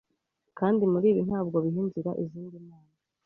Kandi muribi ntabwo biha inzira izindi mana